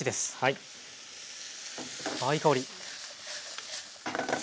あいい香り。